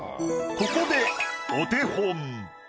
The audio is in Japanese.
ここでお手本。